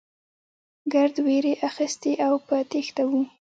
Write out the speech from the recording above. ګرد وېرې اخيستي او په تېښته وو.